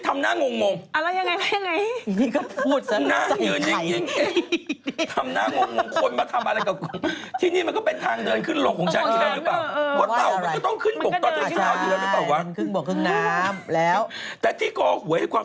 มันก็ต้องขึ้นบก